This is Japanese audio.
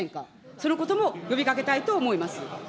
そのことも呼びかけたいと思います。